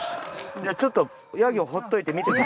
じゃちょっとヤギをほっといて見てみる。